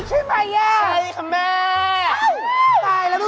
ใช่ใช่ไหม